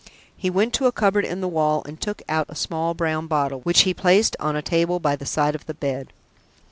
He went to a cupboard in the wall, and took out a small brown bottle, which he placed on a table by the side of the bed.